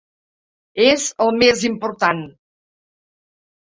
És el més important.